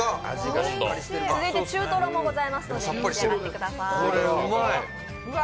続いて中トロもありますので、召し上がってみてください。